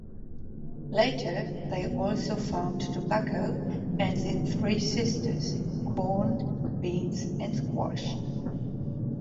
Later, they also farmed tobacco and the "three sisters": corn, beans, and squash.